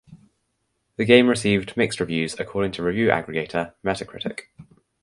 The game received mixed reviews according to review aggregator Metacritic.